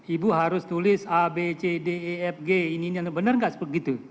ibu harus tulis a b c d e f g ini ini benar gak seperti itu